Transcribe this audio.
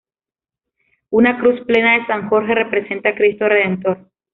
Una cruz plena de San Jorge representa a Cristo redentor.